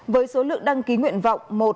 với số lượng đăng ký nguyện vọng một